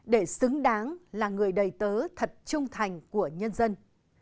để xứng đáng là người đầy tớ thật trung thành của nhân dân